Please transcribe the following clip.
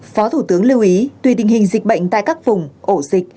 phó thủ tướng lưu ý tùy tình hình dịch bệnh tại các vùng ổ dịch